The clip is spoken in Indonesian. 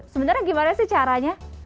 sebenernya gimana sih caranya